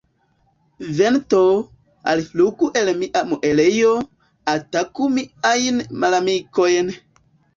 Vento, alflugu el mia muelejo, ataku miajn malamikojn!